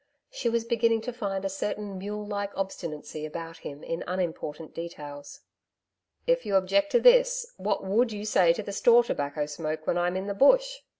She was beginning to find a certain mule like obstinacy about him in unimportant details. 'If you object to this, what WOULD you say to the store tobacco smoke when I'm in the Bush?'